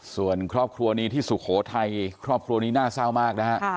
ส่วนครอบครัวนี้ที่สุโขทัยครอบครัวนี้น่าเศร้ามากนะฮะ